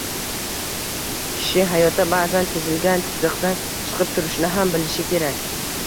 Kishi hayotda ba’zan chizilgan chiziqdan chiqib turishni ham bilishi kerak